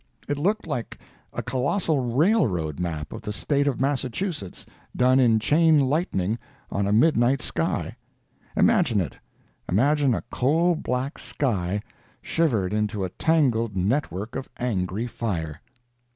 It looked like a colossal railroad map of the State of Massachusetts done in chain lightning on a midnight sky. Imagine it—imagine a coal black sky shivered into a tangled network of angry fire!